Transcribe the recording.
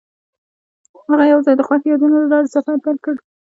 هغوی یوځای د خوښ یادونه له لارې سفر پیل کړ.